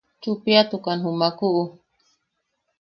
Chuppiatukan jumakuʼu.